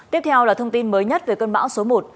tiếp theo là thông tin mới nhất về cơn bão số một